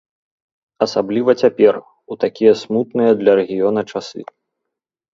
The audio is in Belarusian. Асабліва цяпер, у такія смутныя для рэгіёна часы.